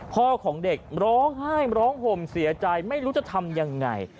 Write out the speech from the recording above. พ่อของเด็กร้องไห้ร้องห่มเสียใจไม่รู้จะทำยังไง